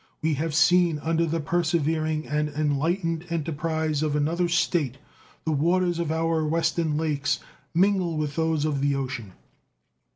We have seen under the persevering and enlightened enterprise of another State the waters of our Western lakes mingle with those of the ocean.